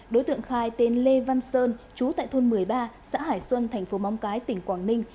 đối tượng khai tên lê văn sơn chú tại thôn một mươi ba xã hải xuân thành phố móng cái tỉnh quảng ninh